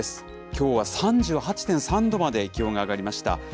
きょうは３８．３度まで気温が上がりました。